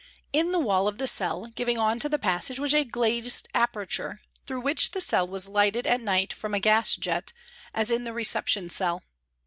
In the wall of the cell giving on to the passage was a glazed aperture, through which the cell was lighted at night from a gas jet, as in the " reception " cell.